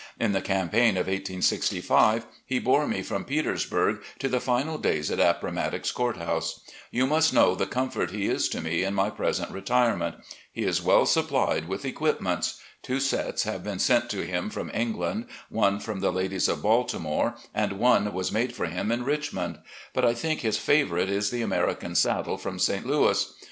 In the campaign of 1865, he bore me from Petersburg to the final days at Appomattox Court House. You must know the comfort he is to me in my present retirement. He is 84 RECOLLECTIONS OP GENERAL LEE well supplied with equipments. Two sets have been sent to him from England, one from the ladies of Balti more, and one was made for him in Richmond; but I think his favourite is the American saddle from St. Louis.